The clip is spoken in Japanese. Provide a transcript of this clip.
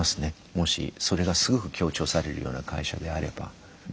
もしそれがすごく強調されるような会社であれば。